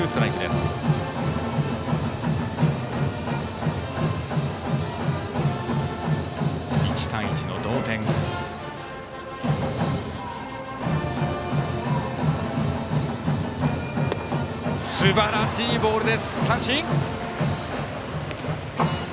すばらしいボール、三振。